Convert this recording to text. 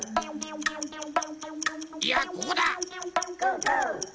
いやここだ！